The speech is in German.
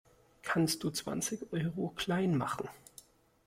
Kannst du zwanzig Euro klein machen?